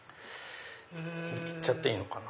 言っちゃっていいのかな？